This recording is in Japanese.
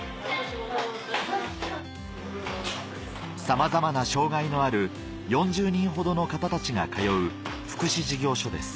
さまざまな障がいのある４０人ほどの方たちが通う福祉事業所です